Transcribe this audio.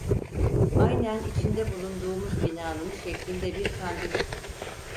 Aynen içinde bulunduğumuz binanın şeklinde bir kandil…